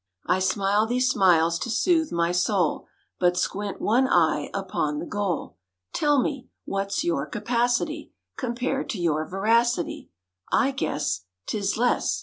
(I smile these smiles to soothe my soul, But squint one eye upon the goal.) Tell me! what's your capacity Compared to your voracity? I guess 'T is less.